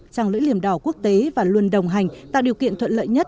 trăng lưỡi liềm đỏ quốc tế và luôn đồng hành tạo điều kiện thuận lợi nhất